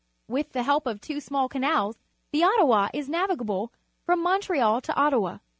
With the help of two small canals, the Ottawa is navigable from Montreal to Ottawa.